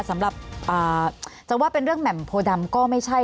สำหรับจะว่าเป็นเรื่องแหม่มโพดำก็ไม่ใช่